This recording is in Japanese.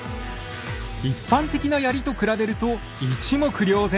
一般的な槍と比べると一目瞭然！